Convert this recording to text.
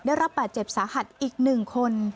ได้รับบาดเจ็บสาหัสอีก๑คน